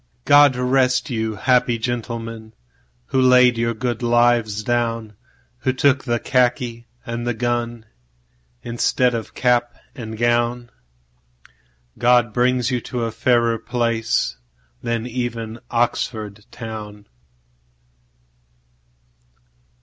God rest you, happy gentlemen, Who laid your good lives down, Who took the khaki and the gunInstead of cap and gown. God bring you to a fairer placeThan even Oxford town.